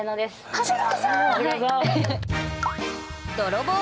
長谷川さん！